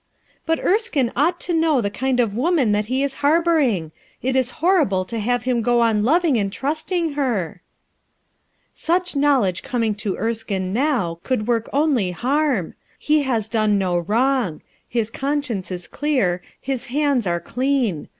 "But Erskine ought to know the kind of woman that lie is harboring. It is horrible to have him go on loving and trusting her!" "Such knowledge coming to Erskine now, could work only harm, He has done no wrong; his conscience Ls clear, his hands are clean.